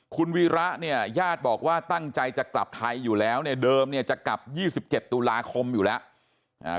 คุณวีระเนี่ยญาติบอกว่าตั้งใจจะกลับไทยอยู่แล้วเนี่ยเดิมเนี่ยจะกลับ๒๗ตุลาคมอยู่แล้ว